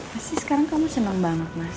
masih sekarang kamu seneng banget mas